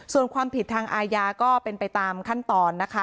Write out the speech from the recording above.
ส่วนความผิดทางอาญาก็เป็นไปตามขั้นตอนนะคะ